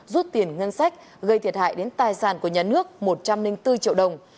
rút tiền ngân sách gây thiệt hại đến tài sản của nhà nước một trăm linh bốn triệu đồng